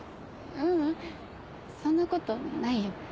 ううんそんなことないよ。